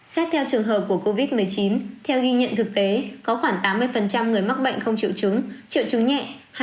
xét theo trường hợp của covid một mươi chín theo ghi nhận thực tế có khoảng tám mươi người mắc bệnh không chịu chứng triệu chứng nhẹ